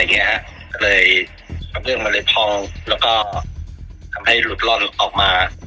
อย่างเงี้ยฮะก็เลยกระเบื้องมันเลยพ่องแล้วก็ทำให้หลุดร่อนออกมา